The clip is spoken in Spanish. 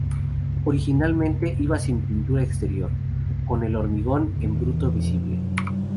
Originalmente iba sin pintura exterior, con el hormigón en bruto visible.